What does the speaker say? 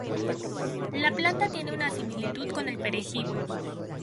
La planta tiene una similitud con el perejil.